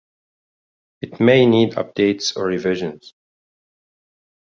It may need updates or revisions.